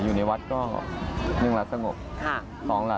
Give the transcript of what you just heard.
อยู่ในวัดก็๑ฤษสงบ